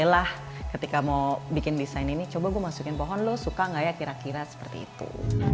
ketika mau bikin desain ini coba gue masukin pohon lo suka gak ya kira kira seperti itu